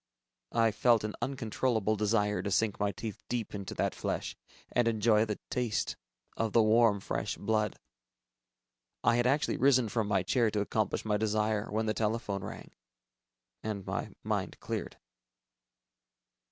I felt an uncontrollable desire to sink my teeth deep into that flesh, and enjoy the taste of the warm fresh blood. I had actually risen from my chair to accomplish my desire, when the telephone rang ... and my mind cleared.